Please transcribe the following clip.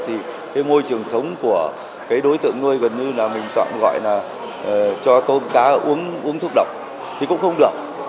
thì cái môi trường sống của cái đối tượng nuôi gần như là mình tọa gọi là cho tôm cá uống thuốc độc thì cũng không được